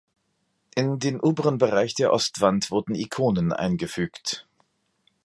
In den oberen Bereich der Ostwand wurden Ikonen eingefügt.